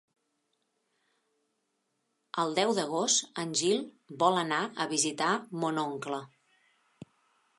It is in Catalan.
El deu d'agost en Gil vol anar a visitar mon oncle.